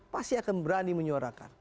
pasti akan berani menyuarakan